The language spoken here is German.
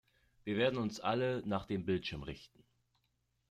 Wir werden uns alle nach dem Bildschirm richten.